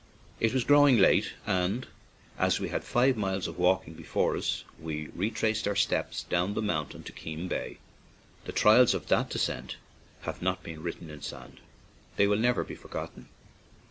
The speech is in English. It was growing late, and, as we had five miles of walking before us, we retraced our steps down the mountain to Keem Bay. The trials of that descent have not been written in sand — they will never be forgotten.